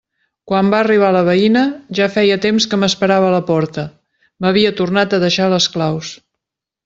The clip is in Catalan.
Quan va arribar la veïna, ja feia temps que m'esperava a la porta: m'havia tornat a deixar les claus.